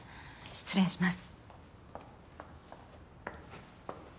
失礼します。